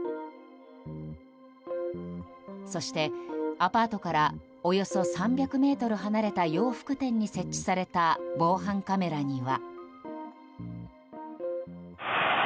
そしてアパートからおよそ３００ｍ離れた洋服店に設置された防犯カメラには。